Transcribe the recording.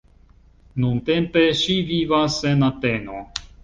Nuntempe ŝi vivas en Ateno.